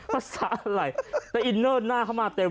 ภาษาอะไรแต่อินเนอร์หน้าเข้ามาเต็ม